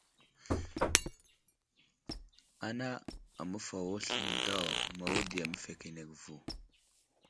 Ana aməfawo sləmay daw mawudiya məfekenege vo.